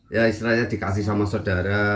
ya istilahnya dikasih sama saudara